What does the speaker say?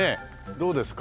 どうですか？